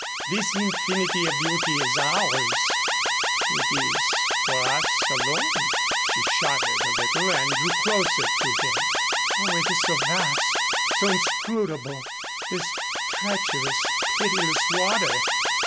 This infinity of beauty is ours it is for us alone." She shuddered a little and drew closer to him. "Oh, it is so vast, so inscrutable, this treacherous, pitiless water!